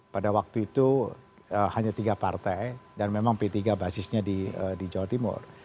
pada waktu itu hanya tiga partai dan memang p tiga basisnya di jawa timur